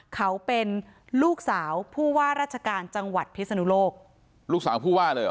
เขาเป็นลูกสาวผู้ว่าราชการจังหวัดพิศนุโลกลูกสาวผู้ว่าเลยเห